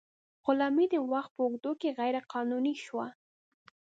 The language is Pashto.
غلامي د وخت په اوږدو کې غیر قانوني شوه.